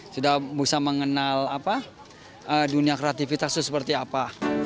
sudah bisa mengenal dunia kreativitas itu seperti apa